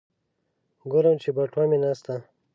ګورم چې بټوه مې نشته.